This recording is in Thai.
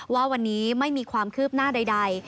ว่าวันนี้ไม่มีความคืบหน้าใด